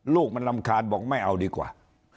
ลูกมันรำคาญบอกไม่เอาดีกว่า